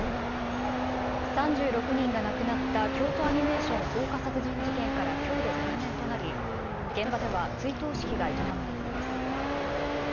３６人が亡くなった京都アニメーション放火殺人事件からきょうで３年となり、現場では追悼式が営まれています。